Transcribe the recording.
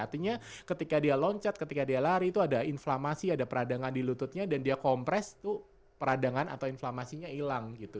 artinya ketika dia loncat ketika dia lari itu ada inflamasi ada peradangan di lututnya dan dia kompres tuh peradangan atau inflamasinya hilang gitu